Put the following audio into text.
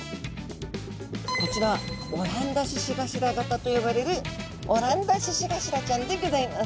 こちらオランダ獅子頭型と呼ばれるオランダ獅子頭ちゃんでギョざいます。